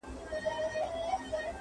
چي خاوند به له بازاره راغی کورته؛